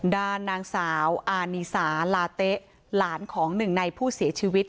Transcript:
ด้านนางสาวอานีสาลาเต๊ะหลานของหนึ่งในผู้เสียชีวิต